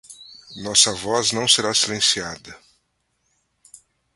Nossa voz não será silenciada.